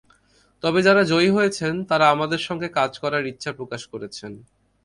তবে যাঁরা জয়ী হয়েছেন, তাঁরা আমাদের সঙ্গে কাজ করার ইচ্ছা প্রকাশ করেছেন।